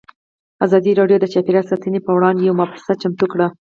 ازادي راډیو د چاپیریال ساتنه پر وړاندې یوه مباحثه چمتو کړې.